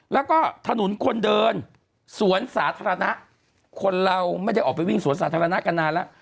แล้วก็ถนนคนเดินสวนสาธารณะคนเราไม่ได้ออกไปวิ่งสวนสาธารณะกันนานแล้ว